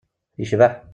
Icbeḥ!